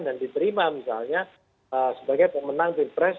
dan diterima misalnya sebagai pemenang tim pres